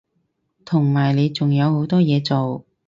同埋你仲有好多嘢做